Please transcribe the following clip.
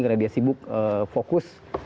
karena dia sibuk fokus